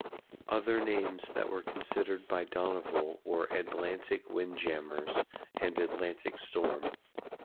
Other names that were considered by Donoval were Atlantic Windjammers and Atlantic Storm.